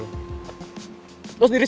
lo sendiri suka kan sama si mel